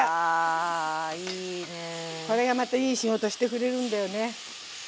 これがまたいい仕事してくれるんだよね。